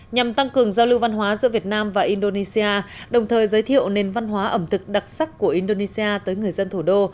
nhằm tăng cường giao lưu văn hóa giữa việt nam và indonesia đồng thời giới thiệu nền văn hóa ẩm thực đặc sắc của indonesia tới người dân thủ đô